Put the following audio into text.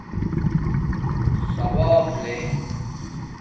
ثݸاپ لے